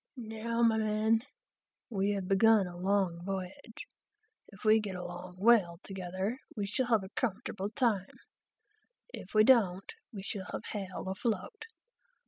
"Now, my men, we have begun a long voyage. If we get along well together, we shall have a comfortable time; if we don't, we shall have hell afloat.